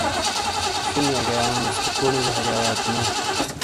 ݜینگے اڑیایونیس تھے، کونڈی گہ ہاریایات نو ۔